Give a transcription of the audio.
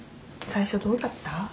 最初どうだった？